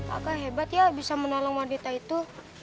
akan hebat ya bisa menolong wanita itu